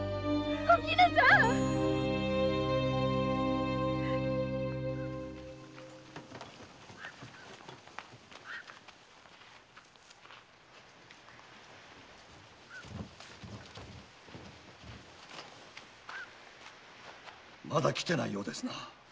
お絹さんっ‼まだ来てないようですな。